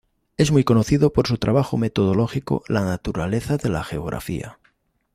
Es muy conocido por su trabajo metodológico "La Naturaleza de la Geografía".